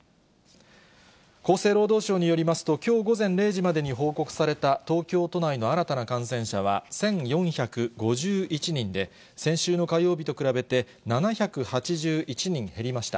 厚生労働省によりますと、きょう午前０時までに報告された、東京都内の新たな感染者は１４５１人で、先週の火曜日と比べて７８１人減りました。